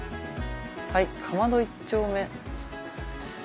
はい「かまど一丁目」。